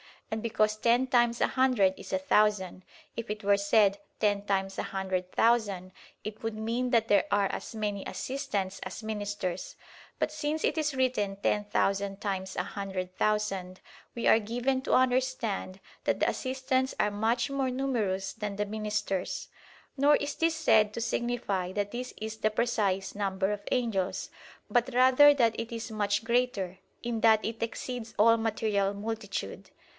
And because ten times a hundred is a thousand, if it were said "ten times a hundred thousand" it would mean that there are as many assistants as ministers: but since it is written "ten thousand times a hundred thousand," we are given to understand that the assistants are much more numerous than the ministers. Nor is this said to signify that this is the precise number of angels, but rather that it is much greater, in that it exceeds all material multitude.